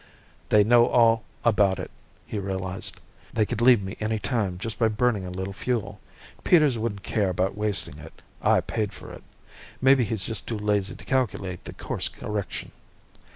They know all about it, he realized. _They could leave me any time just by burning a little fuel. Peters wouldn't care about wasting it I paid for it. Maybe he's just too lazy to calculate the course correction.